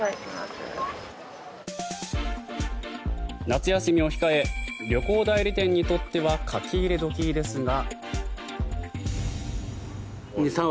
夏休みを控え旅行代理店にとっては書き入れ時ですが。